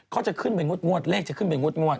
เขาจะขึ้นไปงวดเลขจะขึ้นไปงวด